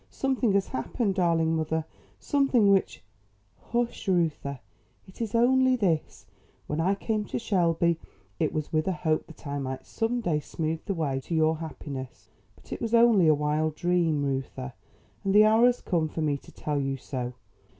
Something has happened, darling mother; something which " "Hush, Reuther; it is only this: When I came to Shelby it was with a hope that I might some day smooth the way to your happiness. But it was only a wild dream, Reuther; and the hour has come for me to tell you so.